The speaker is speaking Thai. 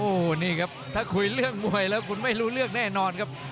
โอ้โหนี่ครับถ้าคุยเรื่องมวยแล้วคุณไม่รู้เรื่องแน่นอนครับ